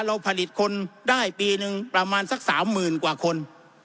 เราผลิตคนได้ปีหนึ่งประมาณสัก๓๐๐๐กว่าคน